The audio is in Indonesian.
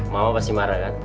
mama pasti marah kan